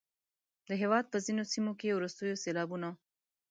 د هیواد په ځینو سیمو کې وروستیو سیلابونو